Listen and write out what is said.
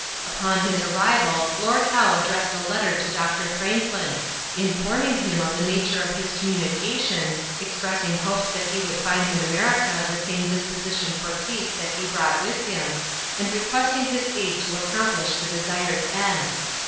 Upon his arrival Lord Howe addressed a letter to Dr. Franklin, informing him of the nature of his communication, expressing hopes that he would find in America the same disposition for peace that he brought with him, and requesting his aid to accomplish the desired end.